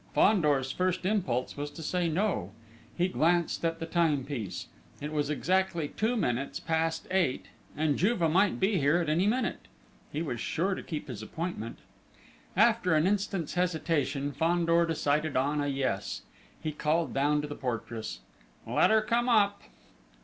Fandor's first impulse was to say "no." He glanced at the timepiece: it was exactly two minutes past eight and Juve might be here at any minute. He was sure to keep his appointment. After an instant's hesitation, Fandor decided on a "yes." He called down to the portress: "Let her come up!"